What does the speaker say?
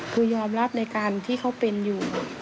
คือยอมรับในการที่เขาเป็นอยู่